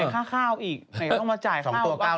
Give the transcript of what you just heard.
ไหนข้าวอีกไหนต้องมาจ่ายข้าว๒ตัว๙๐๐